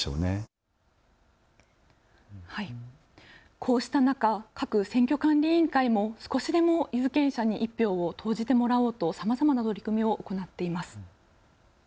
こうした中、各選挙管理委員会も少しでも有権者に１票を投じてもらおうとさまざまな取り組みを行っています。